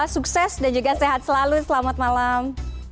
sukses dan juga sehat selalu selamat malam